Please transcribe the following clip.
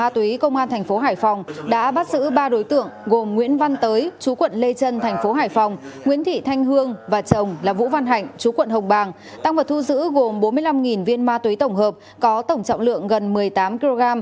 tăng vật thu giữ gồm bốn mươi năm viên ma túy tổng hợp có tổng trọng lượng gần một mươi tám kg